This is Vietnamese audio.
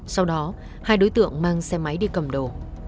sau đó hai đối tượng mang xe máy đi cầm đồ